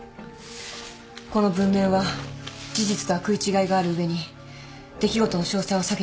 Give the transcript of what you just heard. この文面は事実とは食い違いがある上に出来事の詳細を避けている。